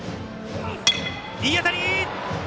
いい当たり！